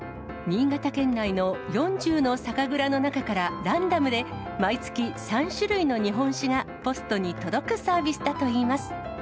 新潟県内の４０の酒蔵の中から、ランダムで毎月３種類の日本酒がポストに届くサービスだといいます。